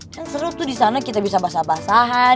kan seru tuh disana kita bisa basah basahan